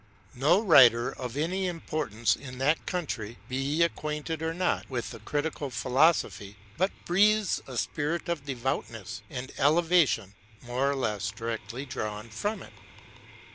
No writer of any importance in that country, be he acquainted or not with the Critical Philosophy, but breathes a spirit of devoutness ami elevation more or less directly drawn from it.